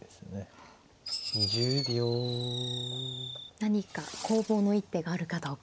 何か攻防の一手があるかどうか。